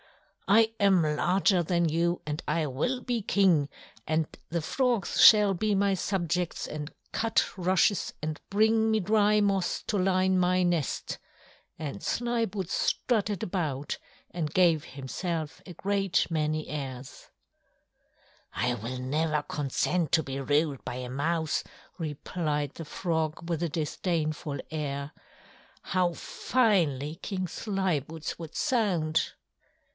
"I am larger than you, and I will be King, and the frogs shall be my subjects and cut rushes and bring me dry moss to line my nest." And Slyboots strutted about and gave himself a great many airs. "I will never consent to be ruled by a Mouse," replied the Frog with a disdainful air. "How finely King Slyboots would sound!"